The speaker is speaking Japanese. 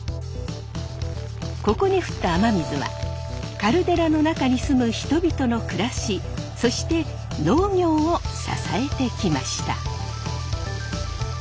ここに降った雨水はカルデラの中に住む人々の暮らしそして農業を支えてきました。